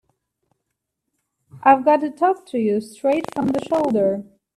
I've got to talk to you straight from the shoulder.